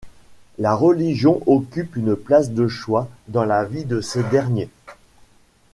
La religion occupe une place de choix dans la vie de ces derniers.